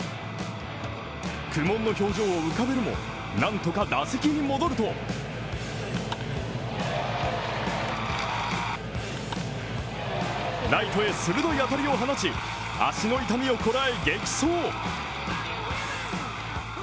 苦悶の表情を浮かべるも、何とか打席に戻るとライトへ鋭い当たりを放ち、足の痛みをこらえ、激走。